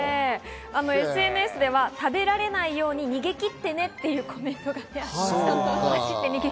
ＳＮＳでは食べられないように逃げ切ってねというコメントがあります。